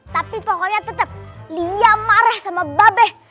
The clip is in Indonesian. tapi pokoknya tetap lia mareh sama babe